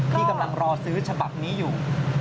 ที่กำลังรอซื้อฉบับนี้อยู่